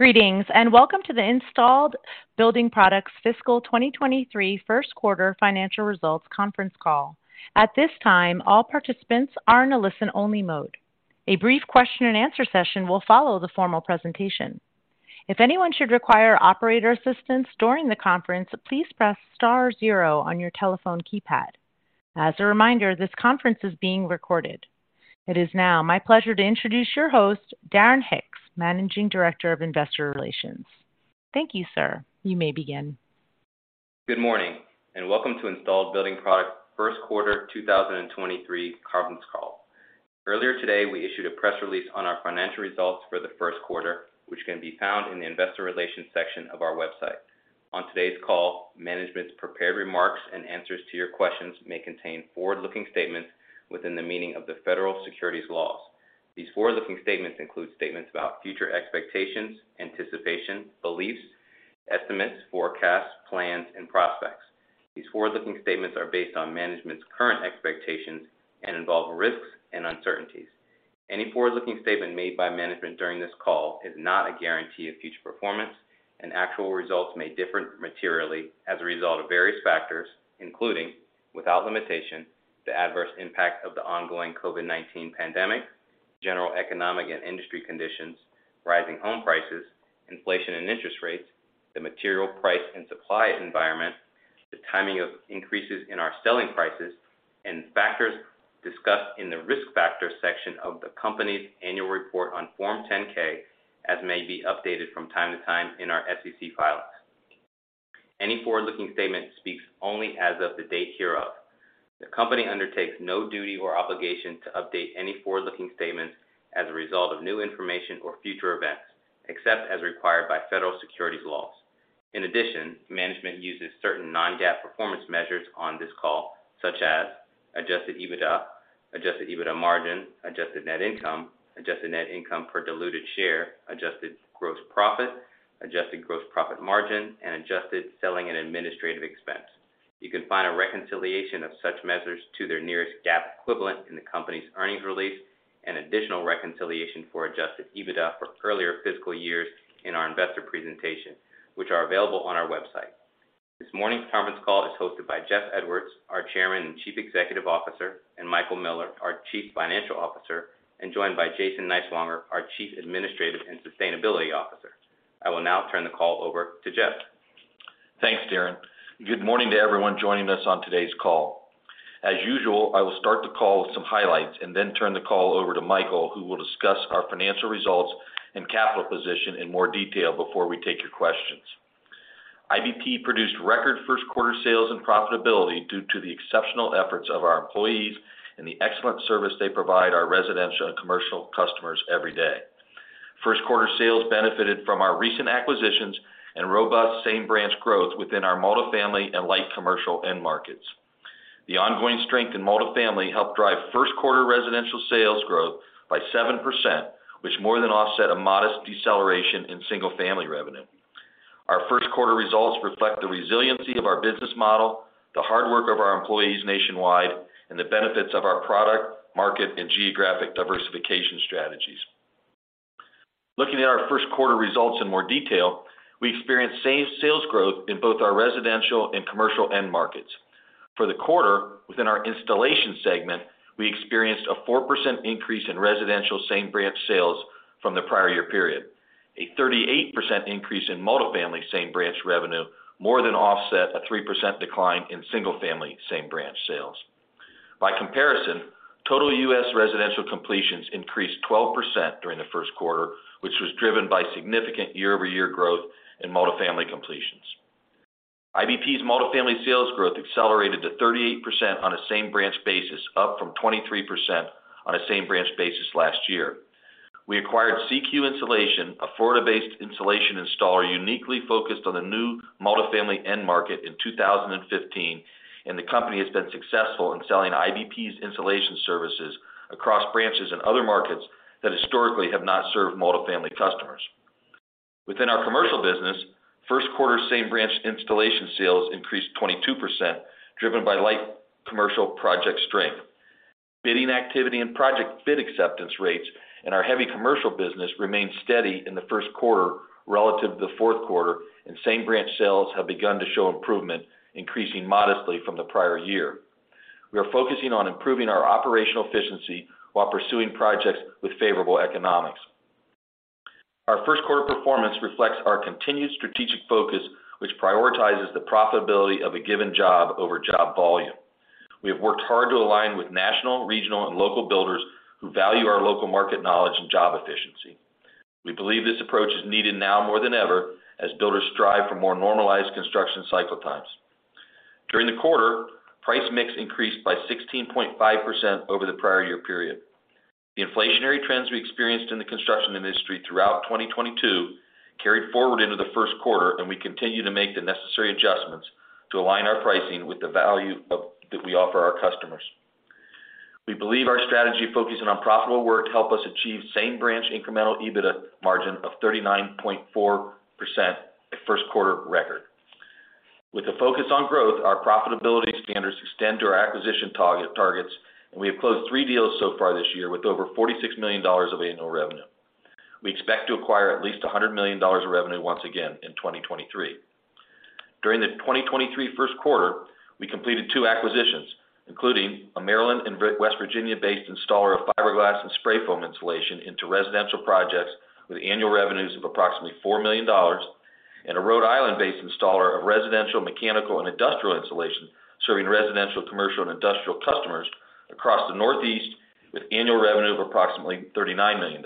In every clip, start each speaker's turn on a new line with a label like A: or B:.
A: Greetings, welcome to the Installed Building Products Fiscal 2023 First Quarter Financial Results Conference Call. At this time, all participants are in a listen-only mode. A brief question-and-answer session will follow the formal presentation. If anyone should require operator assistance during the conference, please press star zero on your telephone keypad. As a reminder, this conference is being recorded. It is now my pleasure to introduce your host, Darren Hicks, Managing Director of Investor Relations. Thank you, sir. You may begin.
B: Good morning. Welcome to Installed Building Products first quarter 2023 conference call. Earlier today, we issued a press release on our financial results for the first quarter, which can be found in the investor relations section of our website. On today's call, management's prepared remarks and answers to your questions may contain forward-looking statements within the meaning of the federal securities laws. These forward-looking statements include statements about future expectations, anticipation, beliefs, estimates, forecasts, plans, and prospects. These forward-looking statements are based on management's current expectations and involve risks and uncertainties. Any forward-looking statement made by management during this call is not a guarantee of future performance, and actual results may differ materially as a result of various factors, including, without limitation, the adverse impact of the ongoing COVID-19 pandemic, general economic and industry conditions, rising home prices, inflation and interest rates, the material price and supply environment, the timing of increases in our selling prices, and factors discussed in the Risk Factors section of the company's annual report on Form 10-K, as may be updated from time to time in our SEC filings. Any forward-looking statement speaks only as of the date hereof. The company undertakes no duty or obligation to update any forward-looking statements as a result of new information or future events, except as required by federal securities laws. In addition, management uses certain non-GAAP performance measures on this call, such as adjusted EBITDA, adjusted EBITDA margin, adjusted net income, adjusted net income per diluted share, adjusted gross profit, adjusted gross profit margin, and adjusted selling and administrative expense. You can find a reconciliation of such measures to their nearest GAAP equivalent in the company's earnings release and additional reconciliation for adjusted EBITDA for earlier fiscal years in our investor presentation, which are available on our website. This morning's conference call is hosted by Jeff Edwards, our Chairman and Chief Executive Officer, and Michael Miller, our Chief Financial Officer, and joined by Jason Niswonger, our Chief Administrative and Sustainability Officer. I will now turn the call over to Jeff.
C: Thanks, Darren. Good morning to everyone joining us on today's call. As usual, I will start the call with some highlights and then turn the call over to Michael, who will discuss our financial results and capital position in more detail before we take your questions. IBP produced record first quarter sales and profitability due to the exceptional efforts of our employees and the excellent service they provide our residential and commercial customers every day. First quarter sales benefited from our recent acquisitions and robust same branch growth within our multifamily and light commercial end markets. The ongoing strength in multifamily helped drive first quarter residential sales growth by 7%, which more than offset a modest deceleration in single-family revenue. Our first quarter results reflect the resiliency of our business model, the hard work of our employees nationwide, and the benefits of our product, market, and geographic diversification strategies. Looking at our first quarter results in more detail, we experienced same sales growth in both our residential and commercial end markets. For the quarter, within our installation segment, we experienced a 4% increase in residential same branch sales from the prior year period. A 38% increase in multifamily same branch revenue more than offset a 3% decline in single-family same branch sales. By comparison, total U.S. residential completions increased 12% during the first quarter, which was driven by significant year-over-year growth in multifamily completions. IBP's multifamily sales growth accelerated to 38% on a same branch basis, up from 23% on a same branch basis last year. We acquired CQ Insulation, a Florida-based insulation installer uniquely focused on the new multifamily end market in 2015. The company has been successful in selling IBP's insulation services across branches and other markets that historically have not served multifamily customers. Within our commercial business, first quarter same branch installation sales increased 22%, driven by light commercial project strength. Bidding activity and project bid acceptance rates in our heavy commercial business remained steady in the first quarter relative to the fourth quarter. Same branch sales have begun to show improvement, increasing modestly from the prior year. We are focusing on improving our operational efficiency while pursuing projects with favorable economics. Our first quarter performance reflects our continued strategic focus, which prioritizes the profitability of a given job over job volume. We have worked hard to align with national, regional, and local builders who value our local market knowledge and job efficiency. We believe this approach is needed now more than ever as builders strive for more normalized construction cycle times. During the quarter, price mix increased by 16.5% over the prior year period. The inflationary trends we experienced in the construction industry throughout 2022 carried forward into the first quarter, and we continue to make the necessary adjustments to align our pricing with the value that we offer our customers. We believe our strategy focusing on profitable work helped us achieve same branch incremental EBITDA margin of 39.4%, a first quarter record. With a focus on growth, our profitability standards extend to our acquisition targets, we have closed three deals so far this year with over $46 million of annual revenue. We expect to acquire at least $100 million of revenue once again in 2023. During the 2023 first quarter, we completed two acquisitions, including a Maryland and West Virginia-based installer of fiberglass and spray foam insulation into residential projects with annual revenues of approximately $4 million, a Rhode Island-based installer of residential, mechanical, and industrial insulation, serving residential, commercial, and industrial customers across the Northeast, with annual revenue of approximately $39 million.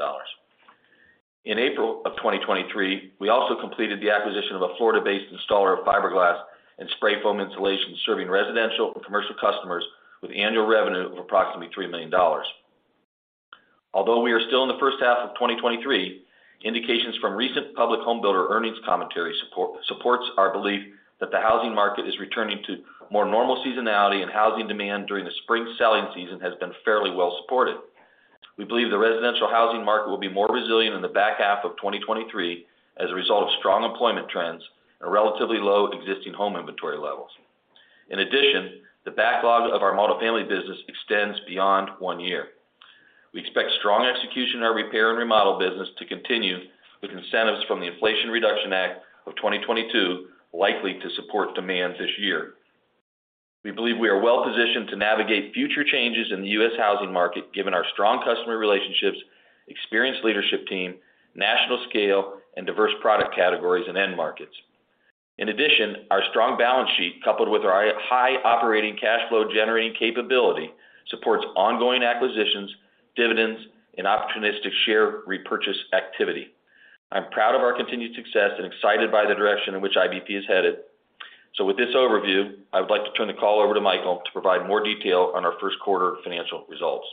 C: In April of 2023, we also completed the acquisition of a Florida-based installer of fiberglass and spray foam insulation, serving residential and commercial customers with annual revenue of approximately $3 million. Although we are still in the first half of 2023, indications from recent public home builder earnings commentary supports our belief that the housing market is returning to more normal seasonality and housing demand during the spring selling season has been fairly well supported. We believe the residential housing market will be more resilient in the back half of 2023 as a result of strong employment trends and relatively low existing home inventory levels. In addition, the backlog of our multifamily business extends beyond 1 year. We expect strong execution in our repair and remodel business to continue, with incentives from the Inflation Reduction Act of 2022 likely to support demand this year. We believe we are well positioned to navigate future changes in the U.S. housing market given our strong customer relationships, experienced leadership team, national scale, and diverse product categories and end markets. In addition, our strong balance sheet, coupled with our high operating cash flow-generating capability, supports ongoing acquisitions, dividends, and opportunistic share repurchase activity. I'm proud of our continued success and excited by the direction in which IBP is headed. With this overview, I would like to turn the call over to Michael to provide more detail on our first quarter financial results.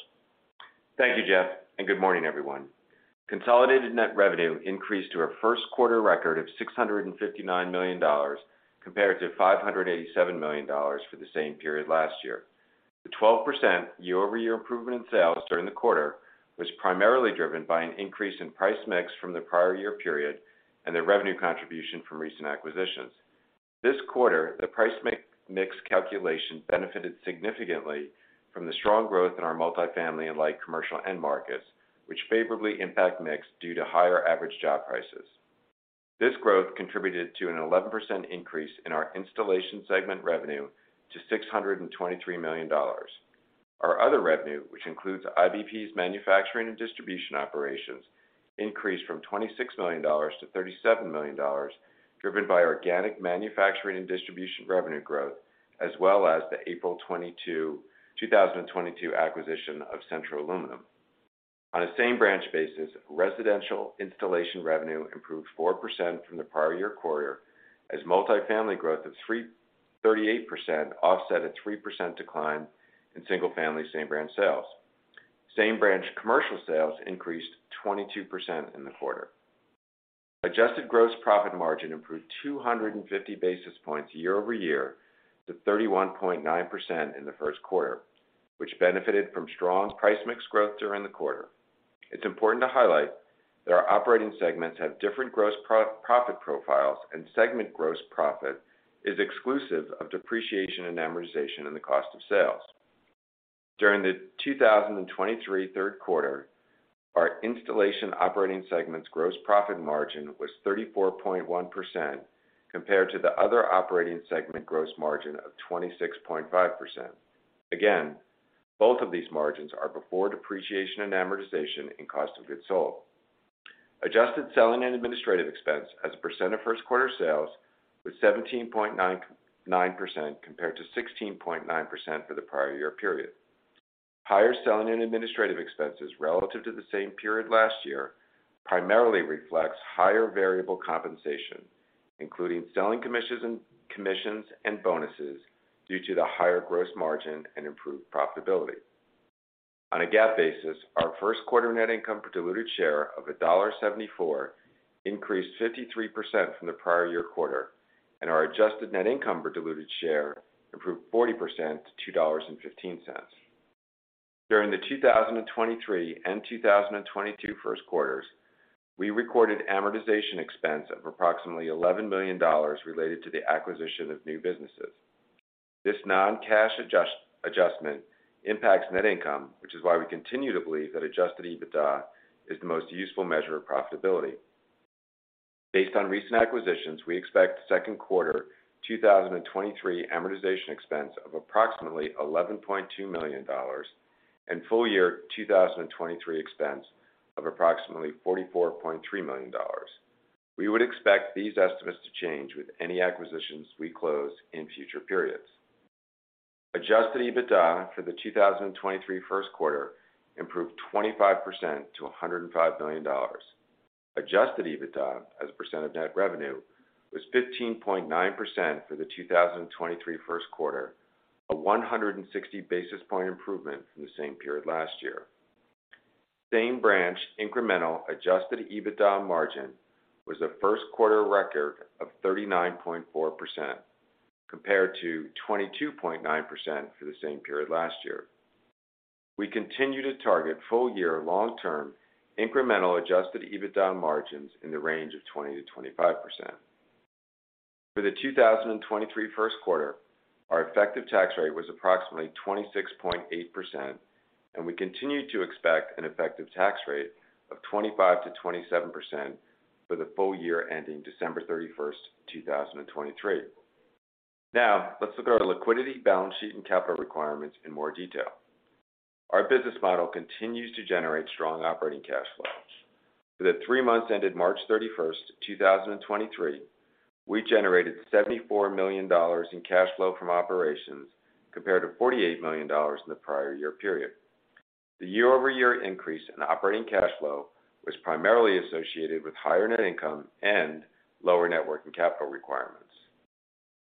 D: Thank you, Jeff, and good morning, everyone. Consolidated net revenue increased to a first quarter record of $659 million, compared to $587 million for the same period last year. The 12% year-over-year improvement in sales during the quarter was primarily driven by an increase in price mix from the prior year period and the revenue contribution from recent acquisitions. This quarter, the price mix calculation benefited significantly from the strong growth in our multifamily and light commercial end markets, which favorably impact mix due to higher average job prices. This growth contributed to an 11% increase in our installation segment revenue to $623 million. Our other revenue, which includes IBP's manufacturing and distribution operations, increased from $26 million to $37 million, driven by organic manufacturing and distribution revenue growth, as well as the April 22, 2022 acquisition of Central Aluminum. On a same branch basis, residential installation revenue improved 4% from the prior year quarter as multifamily growth of 38% offset a 3% decline in single-family same branch sales. Same branch commercial sales increased 22% in the quarter. Adjusted gross profit margin improved 250 basis points year-over-year to 31.9% in the first quarter, which benefited from strong price mix growth during the quarter. It's important to highlight that our operating segments have different gross profit profiles, and segment gross profit is exclusive of depreciation and amortization in the cost of sales. During the 2023 third quarter, our installation operating segment's gross profit margin was 34.1% compared to the other operating segment gross margin of 26.5%. Again, both of these margins are before depreciation and amortization in cost of goods sold. Adjusted selling and administrative expense as a percent of first quarter sales was 17.99% compared to 16.9% for the prior year period. Higher selling and administrative expenses relative to the same period last year primarily reflects higher variable compensation, including selling commissions and bonuses due to the higher gross margin and improved profitability. On a GAAP basis, our first quarter net income per diluted share of $1.74 increased 53% from the prior year quarter, and our adjusted net income per diluted share improved 40% to $2.15. During the 2023 and 2022 first quarters, we recorded amortization expense of approximately $11 million related to the acquisition of new businesses. This non-cash adjustment impacts net income, which is why we continue to believe that adjusted EBITDA is the most useful measure of profitability. Based on recent acquisitions, we expect second quarter 2023 amortization expense of approximately $11.2 million and full year 2023 expense of approximately $44.3 million. We would expect these estimates to change with any acquisitions we close in future periods. Adjusted EBITDA for the 2023 first quarter improved 25% to $105 million. Adjusted EBITDA as a percent of net revenue was 15.9% for the 2023 first quarter, a 160 basis point improvement from the same period last year. Same branch incremental adjusted EBITDA margin was a first quarter record of 39.4% compared to 22.9% for the same period last year. We continue to target full-year long-term incremental adjusted EBITDA margins in the range of 20%-25%. For the 2023 first quarter, our effective tax rate was approximately 26.8%. We continue to expect an effective tax rate of 25%-27% for the full year ending December 31st, 2023. Now, let's look at our liquidity, balance sheet, and capital requirements in more detail. Our business model continues to generate strong operating cash flows. For the three months ended March 31st, 2023, we generated $74 million in cash flow from operations compared to $48 million in the prior year period. The year-over-year increase in operating cash flow was primarily associated with higher net income and lower net working capital requirements.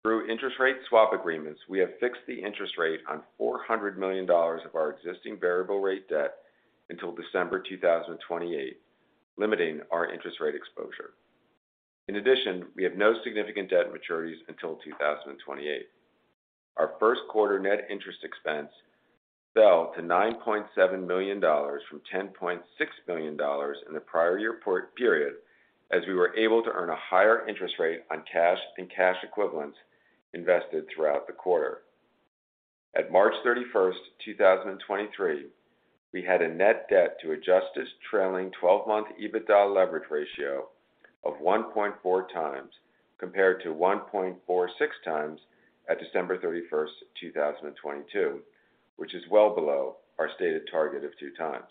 D: Through interest rate swap agreements, we have fixed the interest rate on $400 million of our existing variable rate debt until December 2028, limiting our interest rate exposure. We have no significant debt maturities until 2028. Our first quarter net interest expense fell to $9.7 million from $10.6 million in the prior year per-period, as we were able to earn a higher interest rate on cash and cash equivalents invested throughout the quarter. At March 31st, 2023, we had a net debt to adjusted trailing twelve-month EBITDA leverage ratio of 1.4 times compared to 1.46 times at December 31st, 2022, which is well below our stated target of two times.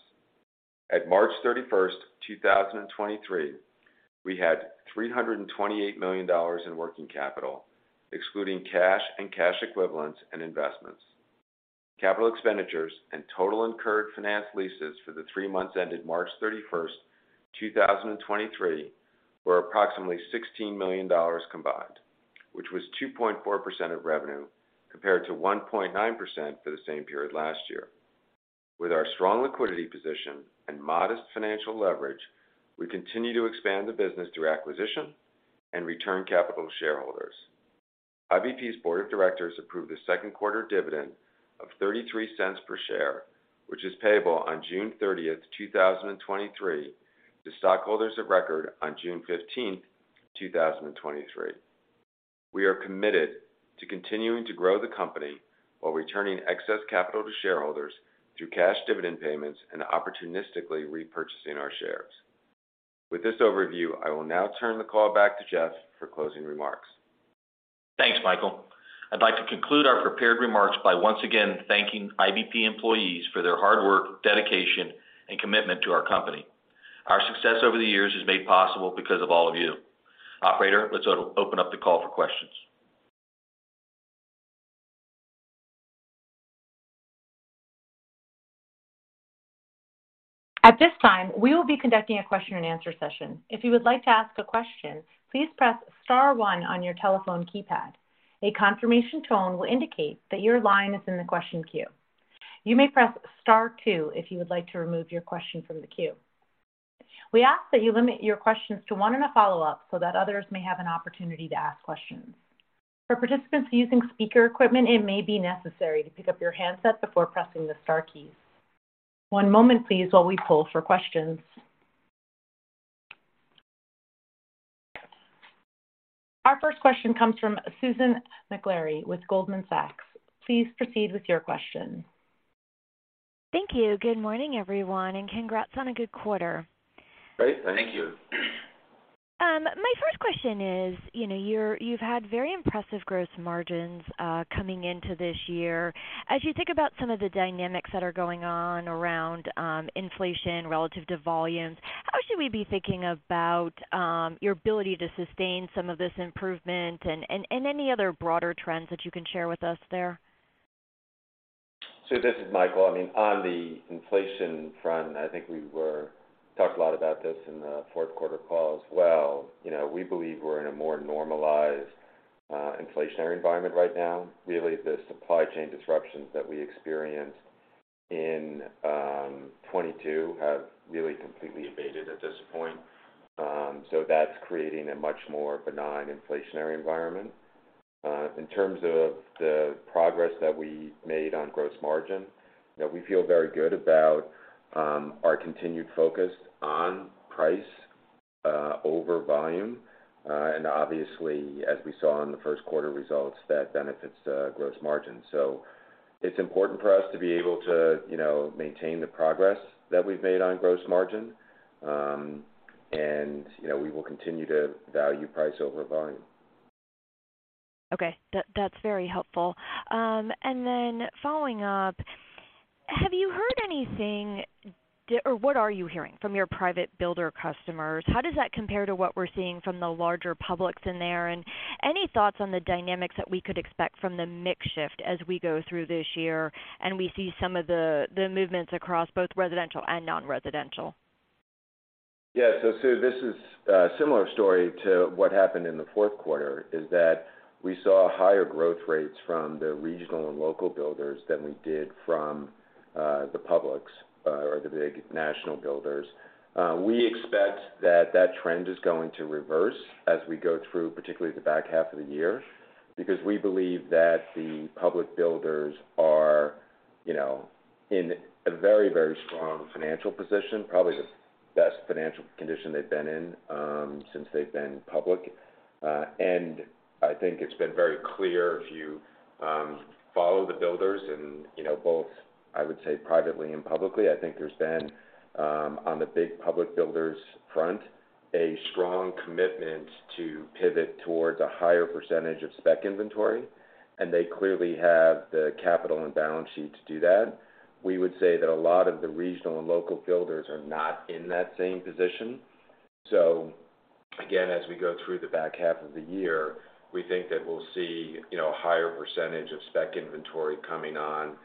D: At March 31st, 2023, we had $328 million in working capital, excluding cash and cash equivalents and investments. Capital expenditures and total incurred finance leases for the three months ended March 31, 2023, were approximately $16 million combined, which was 2.4% of revenue compared to 1.9% for the same period last year. With our strong liquidity position and modest financial leverage, we continue to expand the business through acquisition and return capital to shareholders. IBP's board of directors approved a second-quarter dividend of $0.33 per share, which is payable on June 30th, 2023 to stockholders of record on June 15th, 2023. We are committed to continuing to grow the company while returning excess capital to shareholders through cash dividend payments and opportunistically repurchasing our shares. With this overview, I will now turn the call back to Jeff for closing remarks.
C: Thanks, Michael. I'd like to conclude our prepared remarks by once again thanking IBP employees for their hard work, dedication, and commitment to our company. Our success over the years is made possible because of all of you. Operator, let's open up the call for questions.
A: At this time, we will be conducting a question-and-answer session. If you would like to ask a question, please press star one on your telephone keypad. A confirmation tone will indicate that your line is in the question queue. You may press star two if you would like to remove your question from the queue. We ask that you limit your questions to one and a follow-up so that others may have an opportunity to ask questions. For participants using speaker equipment, it may be necessary to pick up your handset before pressing the star keys. One moment, please, while we poll for questions. Our first question comes from Susan Maklari with Goldman Sachs. Please proceed with your question.
E: Thank you. Good morning, everyone. Congrats on a good quarter.
D: Great. Thank you.
E: My first question is, you know, you've had very impressive gross margins coming into this year. As you think about some of the dynamics that are going on around inflation relative to volumes, how should we be thinking about your ability to sustain some of this improvement and any other broader trends that you can share with us there?
D: Sue, this is Michael. I mean, on the inflation front, I think we talked a lot about this in the fourth quarter call as well. You know, we believe we're in a more normalized inflationary environment right now. Really, the supply chain disruptions that we experienced in 2022 have really completely abated at this point. That's creating a much more benign inflationary environment. In terms of the progress that we made on gross margin, you know, we feel very good about our continued focus on price over volume. Obviously, as we saw in the first quarter results, that benefits the gross margin. It's important for us to be able to, you know, maintain the progress that we've made on gross margin. You know, we will continue to value price over volume.
E: Okay. That's very helpful. Following up, have you heard anything or what are you hearing from your private builder customers? How does that compare to what we're seeing from the larger publics in there? Any thoughts on the dynamics that we could expect from the mix shift as we go through this year, and we see some of the movements across both residential and non-residential?
D: Yeah. Sue, this is a similar story to what happened in the fourth quarter, is that we saw higher growth rates from the regional and local builders than we did from the publics or the big national builders. We expect that that trend is going to reverse as we go through, particularly the back half of the year, because we believe that the public builders are. You know, in a very, very strong financial position, probably the best financial condition they've been in since they've been public. I think it's been very clear if you follow the builders and, you know, both, I would say privately and publicly, I think there's been on the big public builders front, a strong commitment to pivot towards a higher percentage of spec inventory, and they clearly have the capital and balance sheet to do that. We would say that a lot of the regional and local builders are not in that same position. Again, as we go through the back half of the year, we think that we'll see, you know, a higher percentage of spec inventory coming on,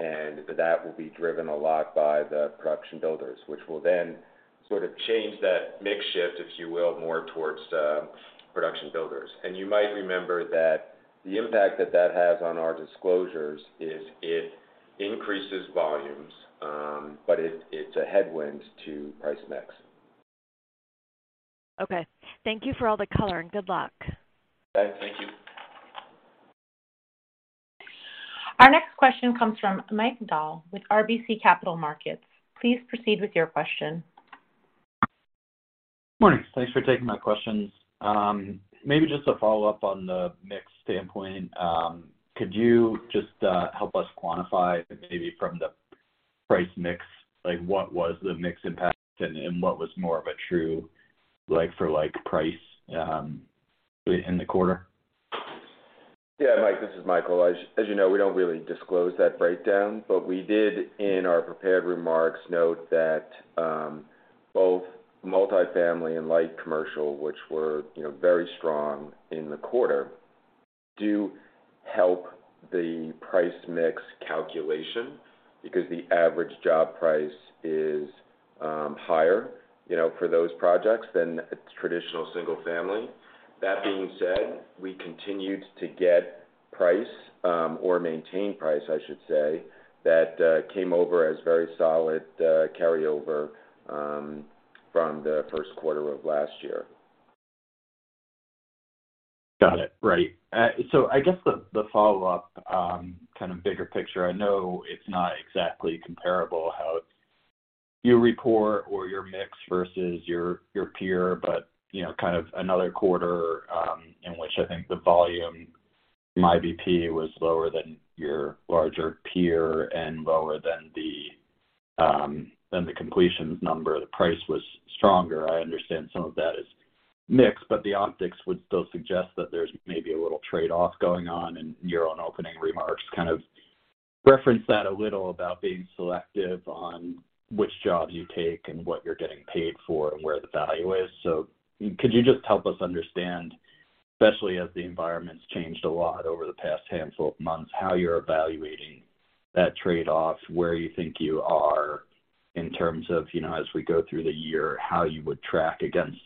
D: and that will be driven a lot by the production builders, which will then sort of change that mix shift, if you will, more towards production builders. You might remember that the impact that that has on our disclosures is it increases volumes, but it's a headwind to price mix.
E: Okay. Thank you for all the color, and good luck.
D: Okay. Thank you.
A: Our next question comes from Michael Dahl with RBC Capital Markets. Please proceed with your question.
F: Morning. Thanks for taking my questions. Maybe just a follow-up on the mix standpoint. Could you just help us quantify maybe from the price mix, like what was the mix impact and what was more of a true like for like price in the quarter?
D: Yeah, Mike Dahl, this is Michael Miller. As you know, we don't really disclose that breakdown, but we did in our prepared remarks note that both multifamily and light commercial, which were, you know, very strong in the quarter, do help the price mix calculation because the average job price is higher, you know, for those projects than a traditional single-family. That being said, we continued to get price or maintain price, I should say, that came over as very solid carryover from the first quarter of last year.
F: Got it. Right. I guess the follow-up, kind of bigger picture, I know it's not exactly comparable how you report or your mix versus your peer, but, you know, kind of another quarter in which I think the volume, IBP was lower than your larger peer and lower than the, than the completions number. The price was stronger. I understand some of that is mix, but the optics would still suggest that there's maybe a little trade-off going on, and your own opening remarks kind of referenced that a little about being selective on which jobs you take and what you're getting paid for and where the value is. Could you just help us understand, especially as the environment's changed a lot over the past handful of months, how you're evaluating that trade-off, where you think you are in terms of, you know, as we go through the year, how you would track against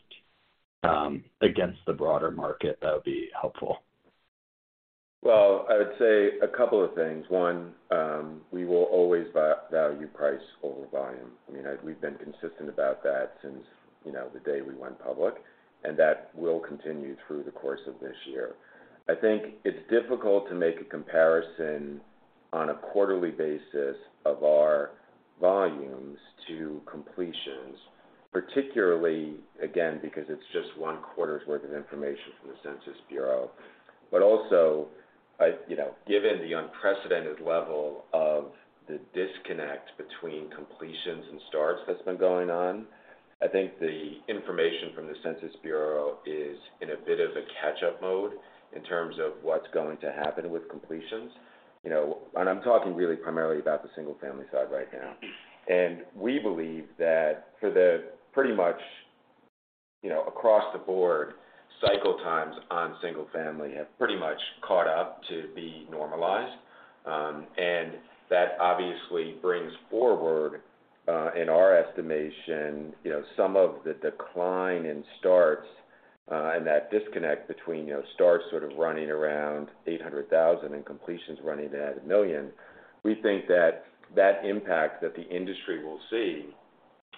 F: the broader market? That would be helpful.
D: Well, I would say a couple of things. One, we will always value price over volume. I mean, we've been consistent about that since, you know, the day we went public, and that will continue through the course of this year. I think it's difficult to make a comparison on a quarterly basis of our volumes to completions, particularly, again because it's just one quarter's worth of information from the Census Bureau. Also, You know, given the unprecedented level of the disconnect between completions and starts that's been going on, I think the information from the Census Bureau is in a bit of a catch-up mode in terms of what's going to happen with completions. You know, I'm talking really primarily about the single-family side right now. We believe that for the pretty much, you know, across-the-board cycle times on single family have pretty much caught up to be normalized. That obviously brings forward, in our estimation, you know, some of the decline in starts, and that disconnect between, you know, starts sort of running around 800,000 and completions running at 1 million. We think that that impact that the industry will see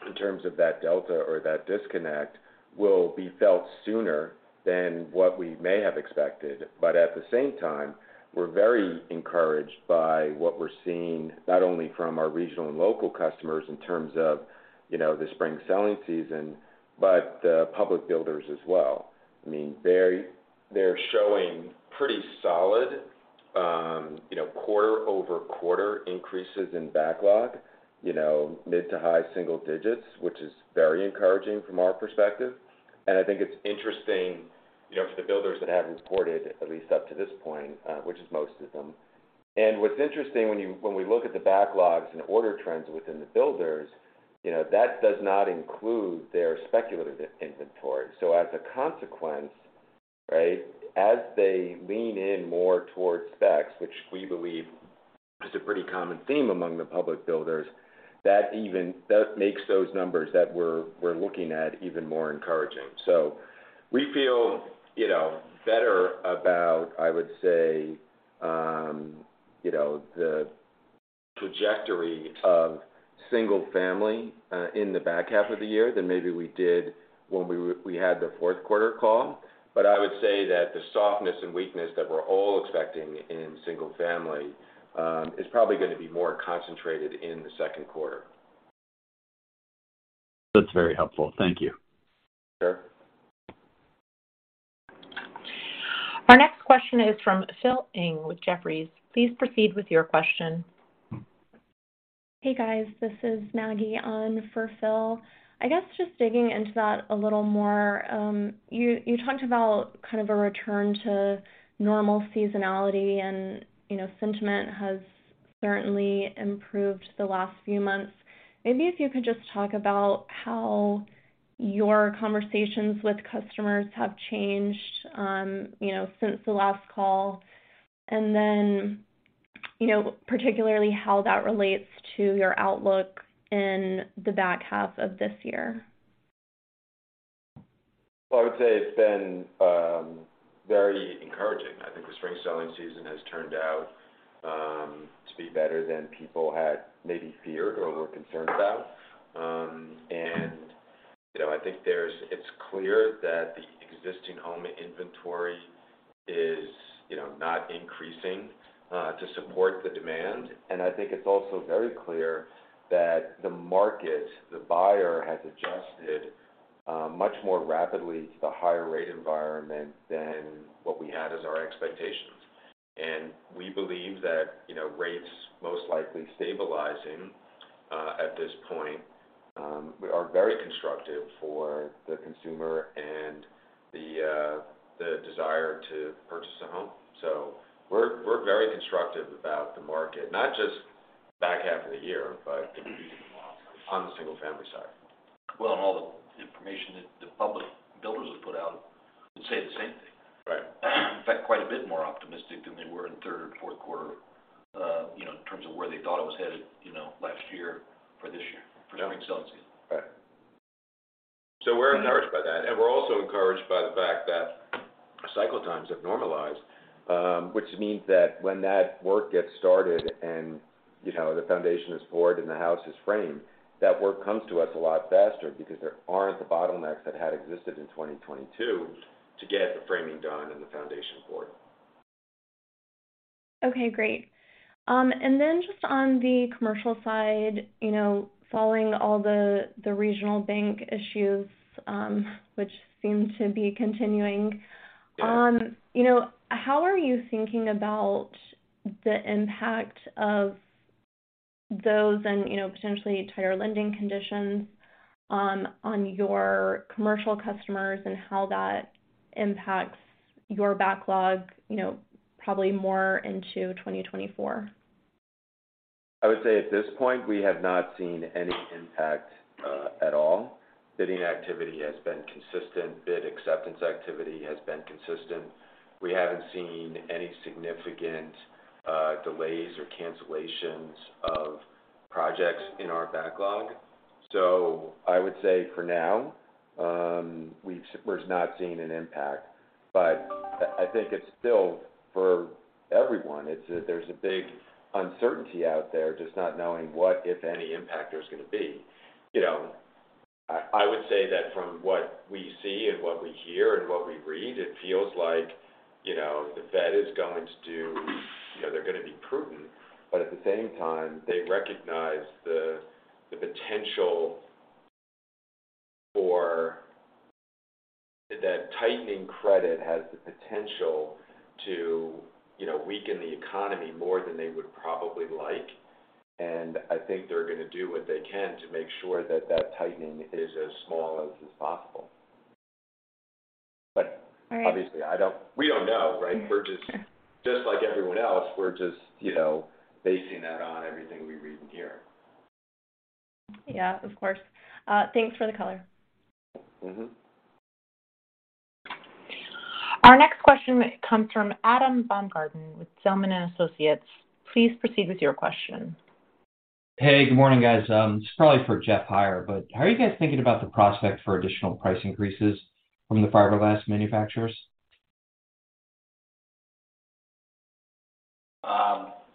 D: in terms of that delta or that disconnect will be felt sooner than what we may have expected. At the same time, we're very encouraged by what we're seeing, not only from our regional and local customers in terms of, you know, the spring selling season, but public builders as well. I mean, they're showing pretty solid, you know, quarter-over-quarter increases in backlog, you know, mid to high single digits, which is very encouraging from our perspective. I think it's interesting, you know, for the builders that have reported at least up to this point, which is most of them. What's interesting when we look at the backlogs and order trends within the builders, you know, that does not include their speculative inventory. As a consequence, right, as they lean in more towards specs, which we believe is a pretty common theme among the public builders, that makes those numbers that we're looking at even more encouraging. We feel, you know, better about, I would say, you know, the trajectory of single family in the back half of the year than maybe we did when we had the fourth quarter call. I would say that the softness and weakness that we're all expecting in single family, is probably gonna be more concentrated in the second quarter.
F: That's very helpful. Thank you.
D: Sure.
A: Our next question is from Philip Ng with Jefferies. Please proceed with your question.
G: Hey, guys. This is Maggie on for Phil. I guess just digging into that a little more, you talked about kind of a return to normal seasonality and, you know, sentiment has certainly improved the last few months. Maybe if you could just talk about how your conversations with customers have changed, you know, since the last call. You know, particularly how that relates to your outlook in the back half of this year.
D: Well, I would say it's been very encouraging. I think the spring selling season has turned out to be better than people had maybe feared or were concerned about. You know, It's clear that the existing home inventory is, you know, not increasing to support the demand. I think it's also very clear that the market, the buyer, has adjusted much more rapidly to the higher rate environment than what we had as our expectations. We believe that, you know, rates most likely stabilizing at this point are very constructive for the consumer and the desire to purchase a home. We're very constructive about the market, not just back half of the year, but on the single family side.
C: Well, all the information that the public builders have put out would say the same thing.
D: Right.
C: In fact, quite a bit more optimistic than they were in third or fourth quarter, you know, in terms of where they thought it was headed, you know, last year for this year, for the spring selling season.
D: Right. We're encouraged by that. We're also encouraged by the fact that cycle times have normalized, which means that when that work gets started and, you know, the foundation is poured and the house is framed, that work comes to us a lot faster because there aren't the bottlenecks that had existed in 2022 to get the framing done and the foundation poured.
G: Okay. Great. Just on the commercial side, you know, following all the regional bank issues, which seem to be continuing. You know, how are you thinking about the impact of those and, you know, potentially tighter lending conditions on your commercial customers and how that impacts your backlog, you know, probably more into 2024?
D: I would say at this point, we have not seen any impact at all. Bidding activity has been consistent. Bid acceptance activity has been consistent. We haven't seen any significant delays or cancellations of projects in our backlog. I would say for now, we're not seeing an impact. I think it's still for everyone. There's a big uncertainty out there, just not knowing what if any, impact there's gonna be. You know, I would say that from what we see and what we hear and what we read, it feels like, you know, the Fed is going to do. They're gonna be prudent, but at the same time, they recognize the potential for. That tightening credit has the potential to, you know, weaken the economy more than they would probably like. I think they're gonna do what they can to make sure that tightening is as small as is possible.
G: Right.
D: Obviously, we don't know, right? We're just like everyone else, we're just, you know, basing that on everything we read and hear.
G: Yeah. Of course. Thanks for the color.
D: Mm-hmm.
A: Our next question comes from Adam Baumgarten with Zelman & Associates. Please proceed with your question.
H: Hey, good morning, guys. This is probably for Jeff Edwards. How are you guys thinking about the prospect for additional price increases from the fiberglass manufacturers?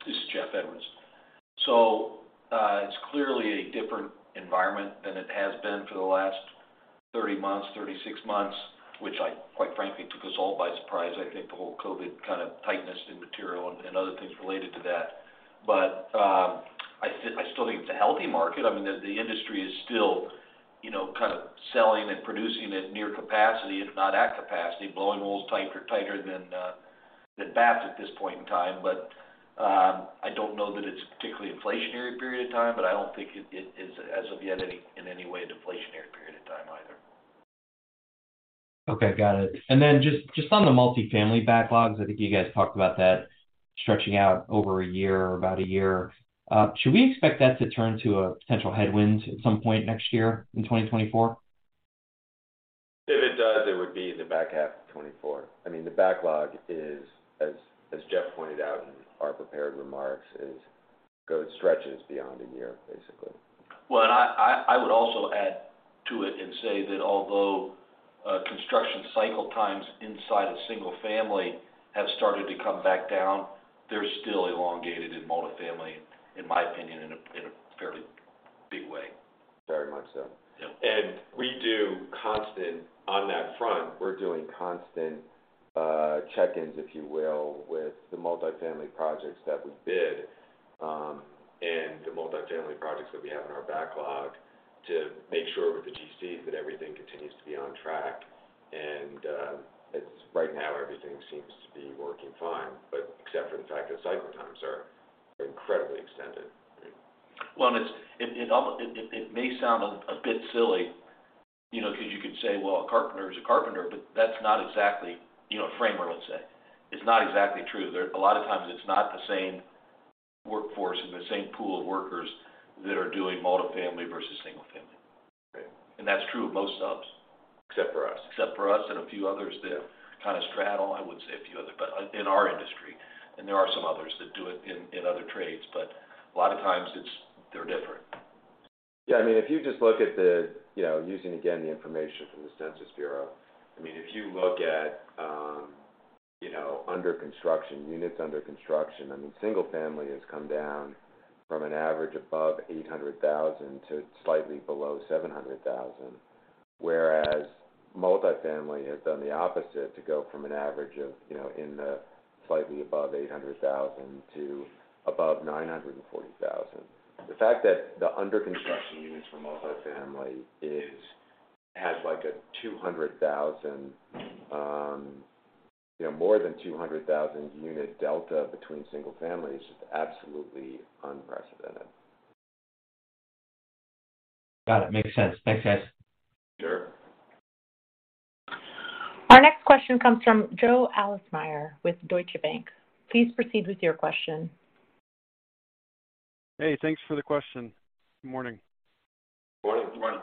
C: This is Jeff Edwards. It's clearly a different environment than it has been for the last 30 months, 36 months, which I, quite frankly, took us all by surprise. I think the whole COVID kind of tightness in material and other things related to that. I still think it's a healthy market. I mean, the industry is still, you know, kind of selling and producing at near capacity, if not at capacity. Blowing wool tighter than batts at this point in time. I don't know that it's a particularly inflationary period of time, but I don't think it is, as of yet, any, in any way a deflationary period of time either.
H: Okay. Got it. Then just on the multifamily backlogs, I think you guys talked about that stretching out over a year or about a year. Should we expect that to turn to a potential headwind at some point next year in 2024?
D: If it does, it would be in the back half of 2024. I mean, the backlog, as Jeff pointed out in our prepared remarks, stretches beyond a year, basically.
C: Well, I would also add and say that although, construction cycle times inside a single-family have started to come back down, they're still elongated in multi-family, in my opinion, in a fairly big way.
D: Very much so.
C: Yeah.
D: On that front, we're doing constant, check-ins, if you will, with the multifamily projects that we bid, and the multifamily projects that we have in our backlog to make sure with the GCs that everything continues to be on track. Right now, everything seems to be working fine, but except for the fact that cycle times are incredibly extended.
C: Well, it may sound a bit silly, you know, 'cause you could say, "Well, a carpenter is a carpenter," That's not exactly. You know, a framer let's say. It's not exactly true. A lot of times it's not the same workforce and the same pool of workers that are doing multifamily versus single family.
D: Right.
C: That's true of most subs.
D: Except for us.
C: Except for us and a few others that kind of straddle. I wouldn't say a few others, but in our industry. There are some others that do it in other trades, but a lot of times it's they're different.
D: I mean, if you just look at the, you know, using again, the information from the United States Census Bureau. I mean, if you look at, you know, under construction, units under construction, I mean, single family has come down from an average above 800,000 to slightly below 700,000, whereas multifamily has done the opposite to go from an average of, you know, in the slightly above 800,000 to above 940,000. The fact that the under construction units for multifamily has like a 200,000, you know, more than 200,000 unit delta between single family is just absolutely unprecedented.
I: Got it. Makes sense. Thanks, guys.
D: Sure.
A: Our next question comes from Joe Ahlersmeyer with Deutsche Bank. Please proceed with your question.
J: Hey, thanks for the question. Morning.
D: Morning.
C: Morning.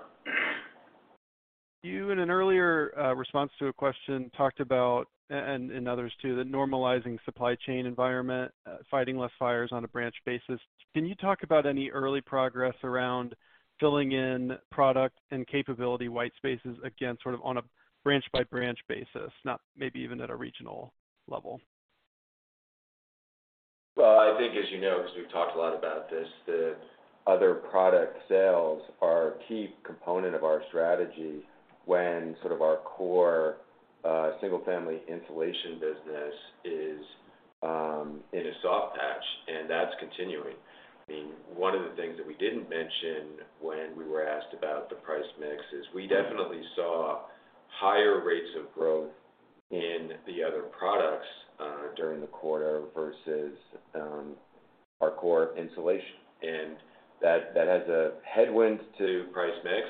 J: You, in an earlier response to a question, talked about, and others too, the normalizing supply chain environment, fighting less fires on a branch basis. Can you talk about any early progress around filling in product and capability white spaces again, sort of on a branch-by-branch basis, not maybe even at a regional level?
D: Well, I think as you know, because we've talked a lot about this, the other product sales are a key component of our strategy when sort of our core single family insulation business is in a soft patch, and that's continuing. I mean, one of the things that we didn't mention when we were asked about the price mix is we definitely saw higher rates of growth in the other products during the quarter versus our core insulation. That has a headwind to price mix.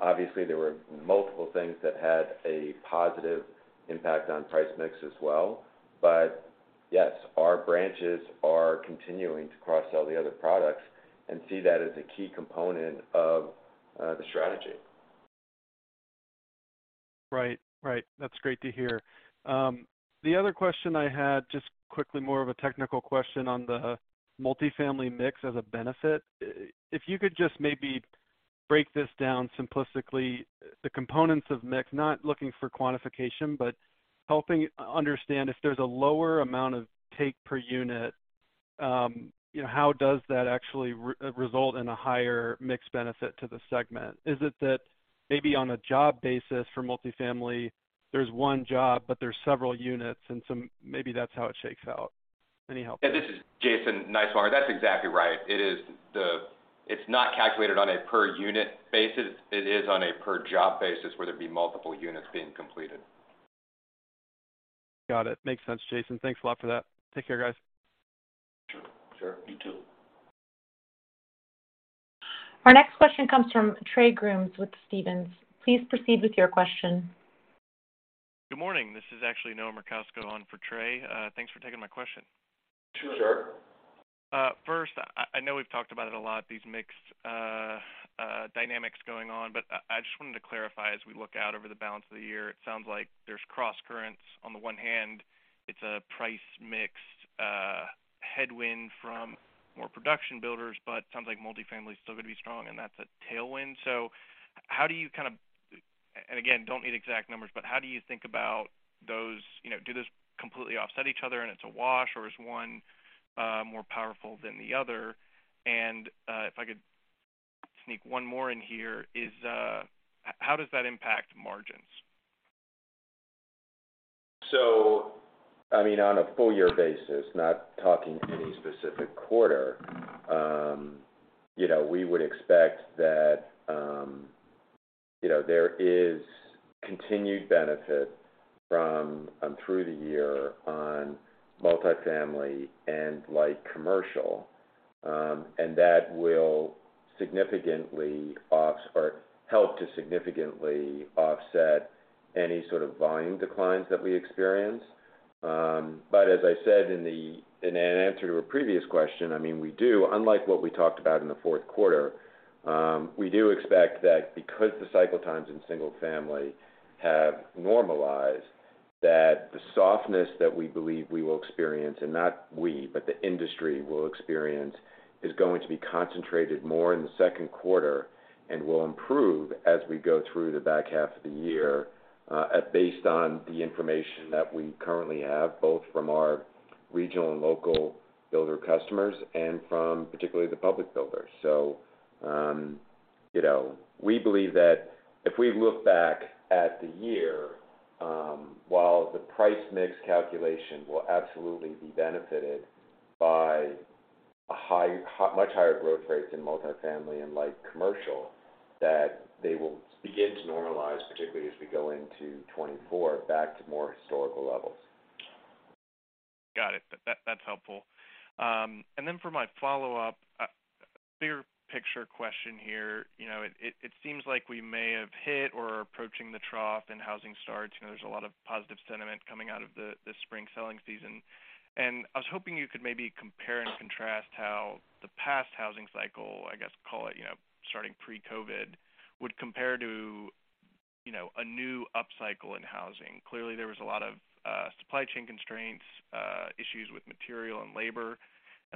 D: Obviously, there were multiple things that had a positive impact on price mix as well. Yes, our branches are continuing to cross-sell the other products and see that as a key component of the strategy.
J: Right. Right. That's great to hear. The other question I had, just quickly, more of a technical question on the multifamily mix as a benefit. If you could just maybe break this down simplistically, the components of mix, not looking for quantification, but helping understand if there's a lower amount of take per unit, you know, how does that actually re-result in a higher mix benefit to the segment? Is it that maybe on a job basis for multifamily there's one job, but there's several units, and so maybe that's how it shakes out? Any help?
I: Yeah, this is Jason Niswonger. That's exactly right. It's not calculated on a per unit basis. It is on a per job basis, where there'd be multiple units being completed.
J: Got it. Makes sense, Jason. Thanks a lot for that. Take care, guys.
C: Sure.
D: Sure.
C: You too.
A: Our next question comes from Trey Grooms with Stephens. Please proceed with your question.
K: Good morning. This is actually Noah Merkousko on for Trey. Thanks for taking my question.
C: Sure.
D: Sure.
K: First, I know we've talked about it a lot, these mix dynamics going on, but I just wanted to clarify as we look out over the balance of the year, it sounds like there's crosscurrents. On the one hand, it's a price mix headwind from more production builders, but it sounds like multifamily is still gonna be strong, and that's a tailwind. How do you kind of... Again, don't need exact numbers, but how do you think about those, you know, do those completely offset each other and it's a wash, or is one more powerful than the other? If I could sneak one more in here, is, how does that impact margins?
D: I mean, on a full year basis, not talking any specific quarter, you know, we would expect that, you know, there is continued benefit from through the year on multifamily and light commercial, and that will significantly or help to significantly offset any sort of volume declines that we experience. As I said in an answer to a previous question, I mean, we do, unlike what we talked about in the fourth quarter, we do expect that because the cycle times in single family have normalized, that the softness that we believe we will experience, and not we, but the industry will experience, is going to be concentrated more in the second quarter and will improve as we go through the back half of the year, based on the information that we currently have, both from our regional and local builder customers and from particularly the public builders. you know, we believe that if we look back at the year, while the price mix calculation will absolutely be benefited by a much higher growth rates in multifamily and light commercial, that they will begin to normalize, particularly as we go into 2024 back to more historical levels.
K: Got it. That's helpful. For my follow-up, bigger picture question here. You know, it seems like we may have hit or are approaching the trough in housing starts. You know, there's a lot of positive sentiment coming out of the spring selling season. I was hoping you could maybe compare and contrast how the past housing cycle, I guess, call it, you know, starting pre-COVID, would compare to, you know, a new upcycle in housing? Clearly, there was a lot of supply chain constraints, issues with material and labor.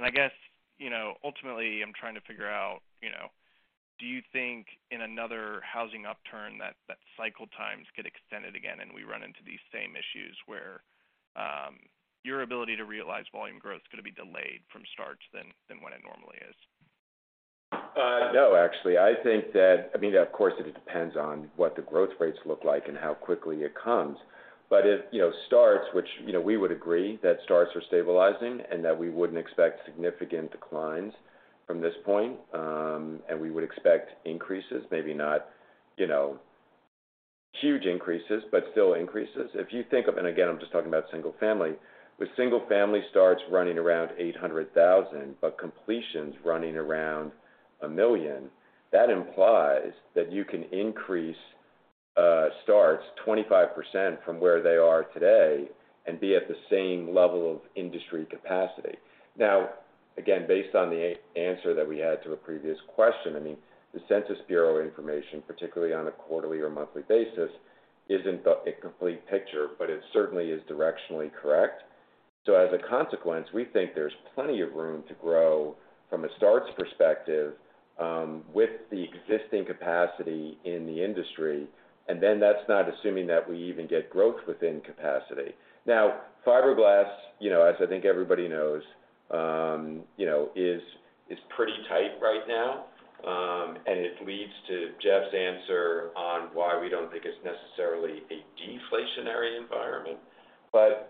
K: I guess, you know, ultimately, I'm trying to figure out, you know, do you think in another housing upturn that cycle times get extended again and we run into these same issues where, your ability to realize volume growth is going to be delayed from starts than when it normally is?
D: No, actually. I mean, of course, it depends on what the growth rates look like and how quickly it comes. If, you know, starts, which, you know, we would agree that starts are stabilizing and that we wouldn't expect significant declines from this point, and we would expect increases, maybe not, you know, huge increases, but still increases. Again, I'm just talking about single family. With single family starts running around 800,000, but completions running around 1 million, that implies that you can increase starts 25% from where they are today and be at the same level of industry capacity. Again, based on the answer that we had to a previous question, I mean, the Census Bureau information, particularly on a quarterly or monthly basis, isn't a complete picture, but it certainly is directionally correct. As a consequence, we think there's plenty of room to grow from a starts perspective, with the existing capacity in the industry. That's not assuming that we even get growth within capacity. Fiberglass, you know, as I think everybody knows, you know, is pretty tight right now. It leads to Jeff's answer on why we don't think it's necessarily a deflationary environment.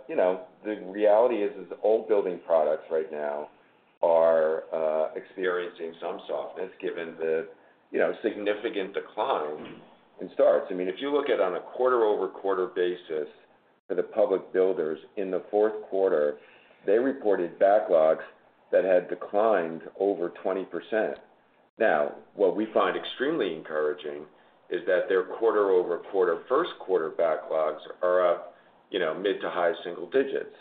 D: You know, the reality is all building products right now are experiencing some softness given the, you know, significant decline in starts. I mean, if you look at on a quarter-over-quarter basis for the public builders in the fourth quarter, they reported backlogs that had declined over 20%. Now, what we find extremely encouraging is that their quarter-over-quarter first quarter backlogs are up, you know, mid to high single digits.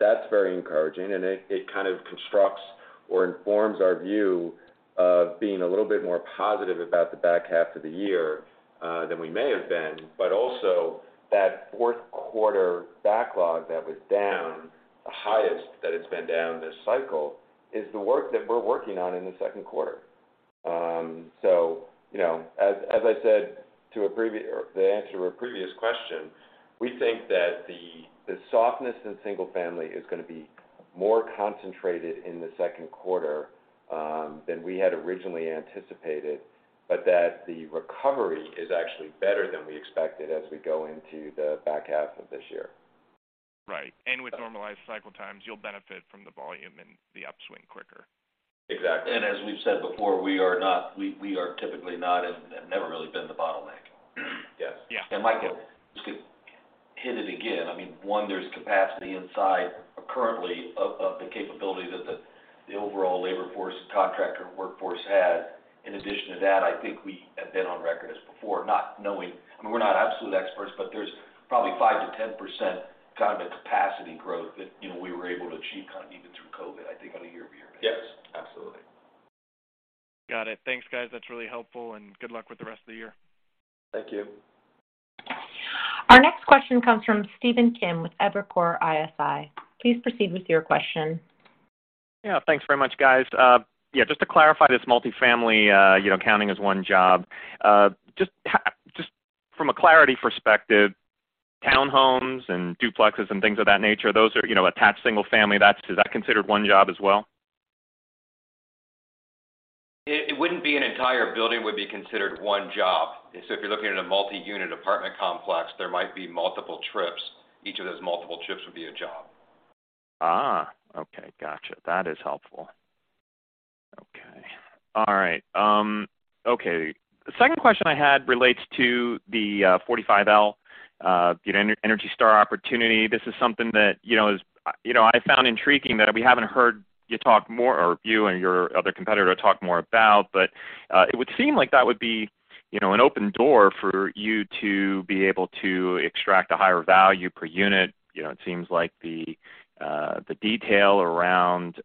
D: That's very encouraging. It kind of constructs or informs our view of being a little bit more positive about the back half of the year than we may have been. Also, that fourth quarter backlog that was down, the highest that it's been down this cycle, is the work that we're working on in the second quarter. You know, as I said to the answer to a previous question, we think that the softness in single family is going to be more concentrated in the second quarter than we had originally anticipated, but that the recovery is actually better than we expected as we go into the back half of this year.
K: Right. With normalized cycle times, you'll benefit from the volume and the upswing quicker.
D: Exactly.
C: As we've said before, we are typically not and never really been the bottleneck.
D: Yes.
K: Yeah.
C: Mike, just to hit it again, I mean, one, there's capacity inside currently of the capability that the overall labor force and contractor workforce had. In addition to that, I think we have been on record as before not knowing. I mean, we're not absolute experts, but there's probably 5% to 10% kind of a capacity growth that, you know, we were able to achieve kind of even through COVID, I think on a year-over-year basis.
D: Yes, absolutely.
K: Got it. Thanks, guys. That's really helpful, and good luck with the rest of the year.
D: Thank you.
A: Our next question comes from Stephen Kim with Evercore ISI. Please proceed with your question.
L: Yeah. Thanks very much, guys. Yeah, just to clarify this multifamily, you know, counting as one job. Just from a clarity perspective, townhomes and duplexes and things of that nature, those are, you know, attached single family. Is that considered one job as well?
D: It wouldn't be an entire building would be considered one job. If you're looking at a multi-unit apartment complex, there might be multiple trips. Each of those multiple trips would be a job.
L: Okay. Gotcha. That is helpful. Okay. All right. Okay. The second question I had relates to the Section 45L, you know, Energy Star opportunity. This is something that, you know, is, you know, I found intriguing that we haven't heard you talk more or you and your other competitor talk more about. It would seem like that would be, you know, an open door for you to be able to extract a higher value per unit. You know, it seems like the detail around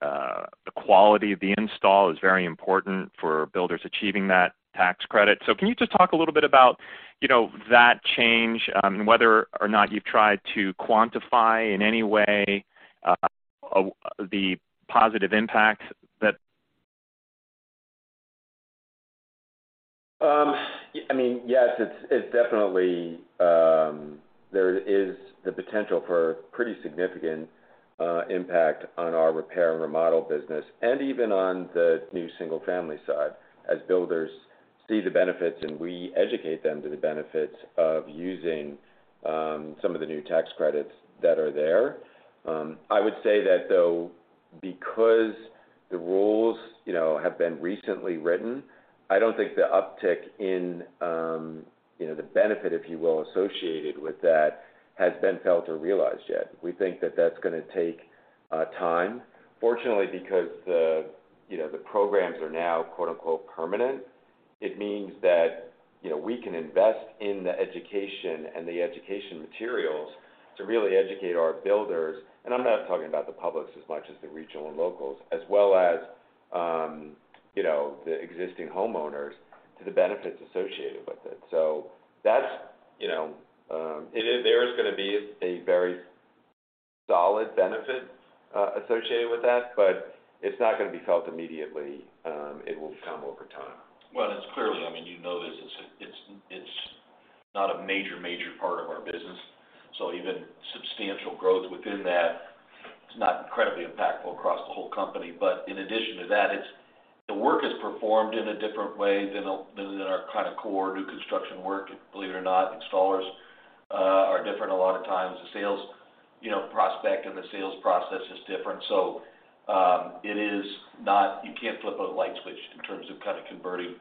L: the quality of the install is very important for builders achieving that tax credit. Can you just talk a little bit about, you know, that change and whether or not you've tried to quantify in any way the positive impact that.
D: I mean, yes, it's definitely, there is the potential for pretty significant impact on our repair and remodel business and even on the new single-family side as builders see the benefits, and we educate them to the benefits of using some of the new tax credits that are there. I would say that though, because the rules, you know, have been recently written, I don't think the uptick in, you know, the benefit, if you will, associated with that has been felt or realized yet. We think that that's gonna take time. Fortunately, because the, you know, the programs are now, quote-unquote, permanent, it means that, you know, we can invest in the education and the education materials to really educate our builders, and I'm not talking about the publics as much as the regional and locals, as well as, you know, the existing homeowners to the benefits associated with it. That's, you know, there is gonna be a very solid benefit associated with that. It's not gonna be felt immediately. It will come over time.
C: It's clearly, I mean, you know this. It's not a major part of our business, so even substantial growth within that is not incredibly impactful across the whole company. In addition to that, it's the work is performed in a different way than a, than in our kind of core new construction work. Believe it or not, installers are different a lot of times. The sales, you know, prospect and the sales process is different. It is not You can't flip a light switch in terms of kind of converting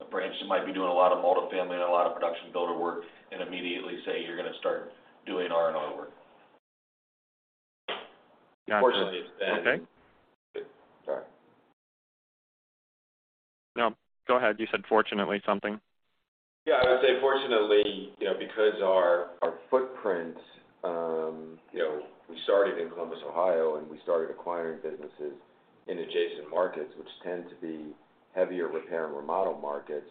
C: a branch that might be doing a lot of multifamily and a lot of production builder work and immediately say you're gonna start doing R&R work.
L: Gotcha.
C: Unfortunately, it's been-
L: Okay.
C: Sorry.
L: No, go ahead. You said fortunately something.
D: Yeah. I would say fortunately, you know, because our footprint, you know, we started in Columbus, Ohio, and we started acquiring businesses in adjacent markets, which tend to be heavier repair and remodel markets.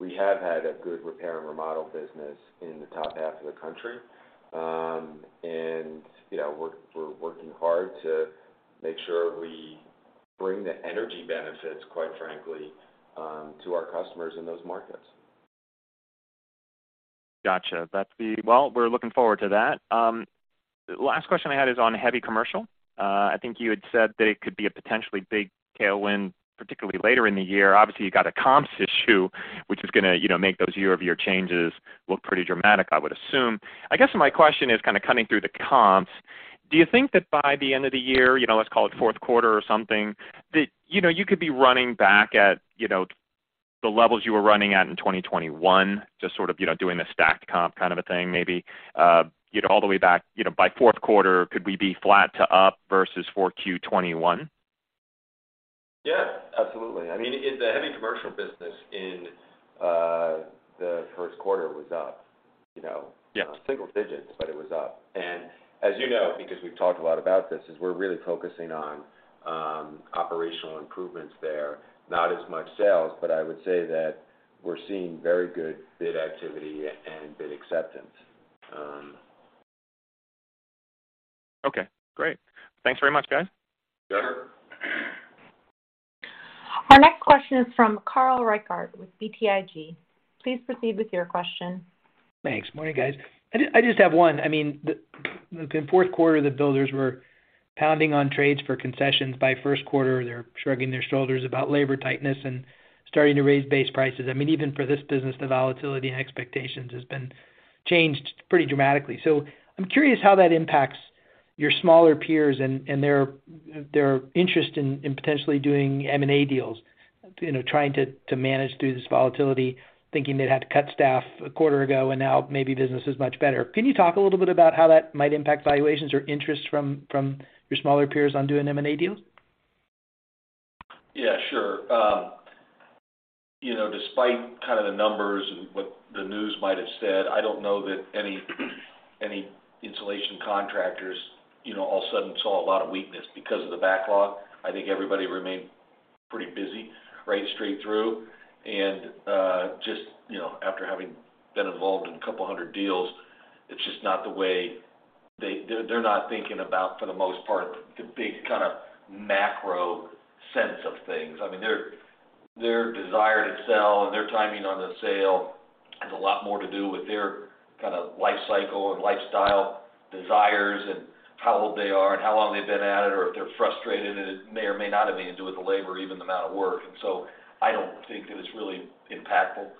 D: We have had a good repair and remodel business in the top half of the country. You know, we're working hard to make sure we bring the energy benefits, quite frankly, to our customers in those markets.
L: Gotcha. That's Well, we're looking forward to that. Last question I had is on heavy commercial. I think you had said that it could be a potentially big tailwind, particularly later in the year. Obviously, you've got a comps issue, which is gonna, you know, make those year-over-year changes look pretty dramatic, I would assume. I guess my question is kind of cutting through the comps. Do you think that by the end of the year, you know, let's call it fourth quarter or something, that, you know, you could be running back at, you know, the levels you were running at in 2021, just sort of, you know, doing the stacked comp kind of a thing, maybe, you know, all the way back, you know, by fourth quarter, could we be flat to up versus 4Q 2021?
D: Yeah, absolutely. I mean, the heavy commercial business in the first quarter was up, you know?
L: Yeah.
D: Single digits, it was up. As you know, because we've talked a lot about this, we're really focusing on operational improvements there. Not as much sales, I would say that we're seeing very good bid activity and bid acceptance.
L: Okay, great. Thanks very much, guys.
C: Sure.
D: Sure.
A: Our next question is from Carl Reichardt with BTIG. Please proceed with your question.
M: Thanks. Morning, guys. I just have one. I mean, the fourth quarter, the builders were pounding on trades for concessions. By first quarter, they're shrugging their shoulders about labor tightness and starting to raise base prices. I mean, even for this business, the volatility and expectations has been changed pretty dramatically. I'm curious how that impacts your smaller peers and their interest in potentially doing M&A deals, you know, trying to manage through this volatility, thinking they'd had to cut staff a quarter ago, and now maybe business is much better. Can you talk a little bit about how that might impact valuations or interest from your smaller peers on doing M&A deals?
C: Yeah, sure. You know, despite kind of the numbers and what the news might have said, I don't know that any insulation contractors, you know, all of a sudden saw a lot of weakness because of the backlog. I think everybody remained pretty busy right straight through. Just, you know, after having been involved in 200 deals, it's just not the way they're not thinking about, for the most part, the big kind of macro sense of things. I mean, their desire to sell and their timing on the sale has a lot more to do with their kind of life cycle and lifestyle desires and how old they are and how long they've been at it or if they're frustrated, and it may or may not have been to do with the labor or even the amount of work. I don't think that it's really impactful.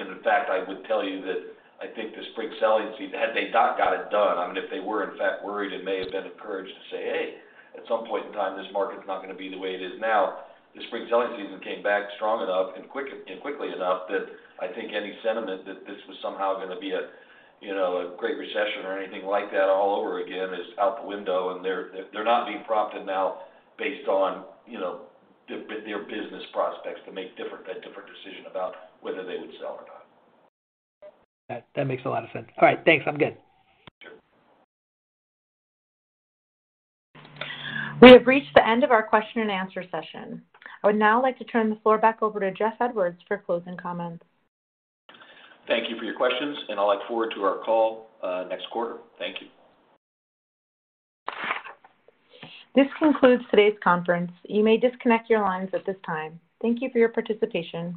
C: In fact, I would tell you that I think the spring selling season, had they not got it done, I mean, if they were in fact worried, it may have been encouraged to say, "Hey, at some point in time, this market's not gonna be the way it is now." The spring selling season came back strong enough and quickly enough that I think any sentiment that this was somehow gonna be, you know, a great recession or anything like that all over again is out the window, and they're not being prompted now based on, you know, their business prospects to make a different decision about whether they would sell or not.
M: That makes a lot of sense. All right, thanks. I'm good.
A: We have reached the end of our question and answer session. I would now like to turn the floor back over to Jeff Edwards for closing comments.
C: Thank you for your questions. I look forward to our call next quarter. Thank you.
A: This concludes today's conference. You may disconnect your lines at this time. Thank you for your participation.